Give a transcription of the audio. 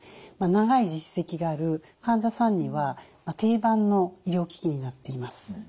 長い実績がある患者さんには定番の医療機器になっています。